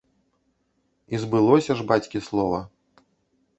І збылося ж бацькі слова!